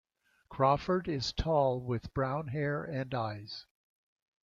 Crawford is tall with brown hair and eyes.